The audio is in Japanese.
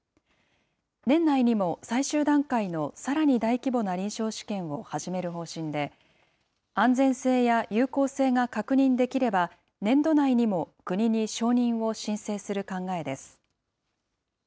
年内にも最終段階のさらに大規模な臨床試験を始める方針で、安全性や有効性が確認できれば、年度内にも国に承認を申請する考えです。